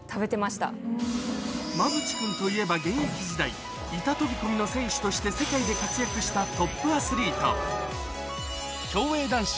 馬淵君といえば現役時代板飛び込みの選手として世界で活躍した競泳男子